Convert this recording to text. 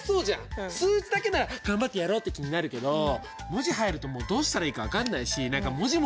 数字だけなら頑張ってやろうって気になるけど文字入るともうどうしたらいいか分かんないし何かモジモジしちゃう文字だけに。